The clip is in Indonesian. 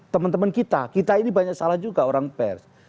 teman teman kita kita ini banyak salah juga orang pers